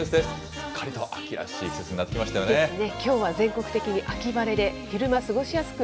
すっかりと秋らしい季節になってきましたよね。